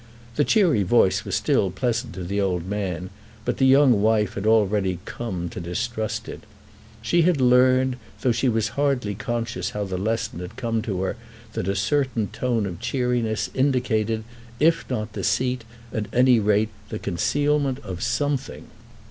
The cheery voice was still pleasant to the old man, but the young wife had already come to distrust it. She had learned, though she was hardly conscious how the lesson had come to her, that a certain tone of cheeriness indicated, if not deceit, at any rate the concealment of something.